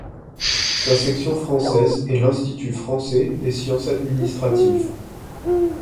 Sa section française est l'Institut français des sciences administratives.